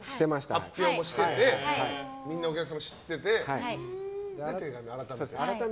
発表しててみんなお客さんも知ってて。